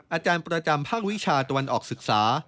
อาจารย์ประจำภาควิชาตะวันออกศึกษา